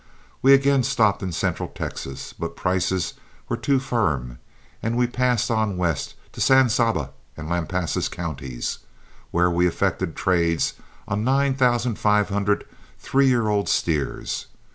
We again stopped in central Texas, but prices were too firm, and we passed on west to San Saba and Lampasas counties, where we effected trades on nine thousand five hundred three year old steers.